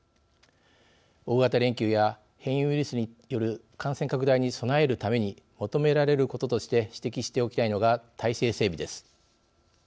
大型連休や変異ウイルスによる感染拡大に備えるために求められることとして指摘しておきたいのが体制整備です。